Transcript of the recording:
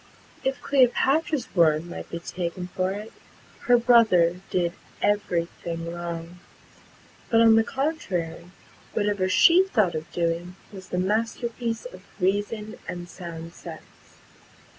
If Cleopatra's word might be taken for it, her brother did every thing wrong; but, on the contrary, whatever she thought of doing was the masterpiece of reason and sound sense.